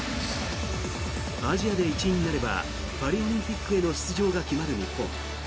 アジアで１位になればパリオリンピックへの出場が決まる日本。